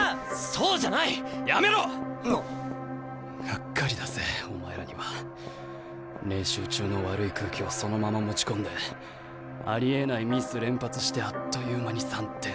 がっかりだぜお前らには。練習中の悪い空気をそのまま持ち込んでありえないミス連発してあっという間に３点。